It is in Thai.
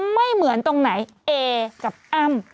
ไม่เหมือนตรงไหนเอกับอ้ำ